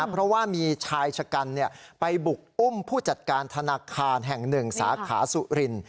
เพราะว่ามีชายชะกันไปบุกอุ้มผู้จัดการธนาคารแห่งหนึ่งสาขาสุริน